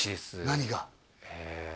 何が？